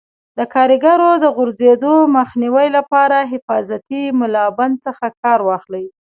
د کاریګرو د غورځېدو مخنیوي لپاره حفاظتي ملابند څخه کار واخلئ.